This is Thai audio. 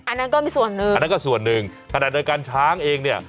อันนั้นก็มีส่วนหนึ่งอันนั้นก็ส่วนหนึ่งขนาดเดียวกันช้างเองเนี่ย